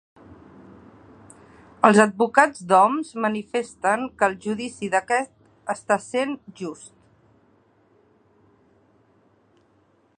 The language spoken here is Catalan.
Els advocats d'Homs manifesten que el judici d'aquest està sent just